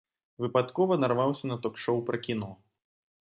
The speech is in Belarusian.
Выпадкова нарваўся на ток-шоў пра кіно.